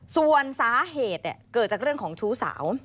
ส่วนสาเหตุเกิดจากเรื่องของชู้สาว